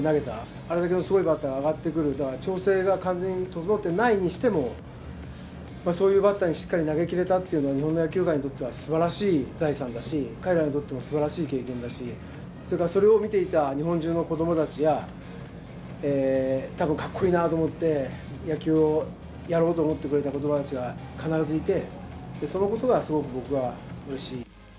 あれだけのすごいバッターが上がってくるのは、調整が完全に整ってないにしても、そういうバッターにしっかり投げきれたっていうのは、日本の野球界にとってはすばらしい財産だし、彼らにとってもすばらしい経験だし、それからそれを見ていた日本中の子どもたちや、たぶんかっこいいなと思って、野球をやろうと思ってくれた子どもたちが必ずいて、そのことがすごく僕は、うれしい。